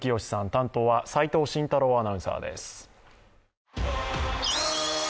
担当は齋藤慎太郎アナウンサーです。